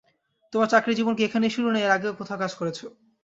তোমার চাকরিজীবন কি এখানেই শুরু, না এর আগে কোথাও কাজ করেছ?